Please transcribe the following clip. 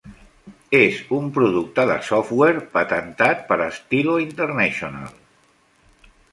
És un producte de software patentat per Stilo International.